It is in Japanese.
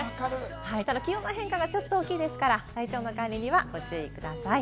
ただ、気温の変化が大きいですから、体調の管理にはご注意ください。